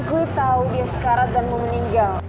gue tau dia sekarat dan mau meninggal